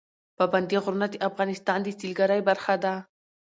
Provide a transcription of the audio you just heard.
پابندی غرونه د افغانستان د سیلګرۍ برخه ده.